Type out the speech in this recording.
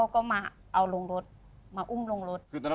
ก็มาเอาลงรถมาอุ้มลงรถ